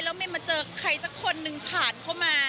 แล้วไม่มาเจอใครสักคนหนึ่งผ่านเข้ามา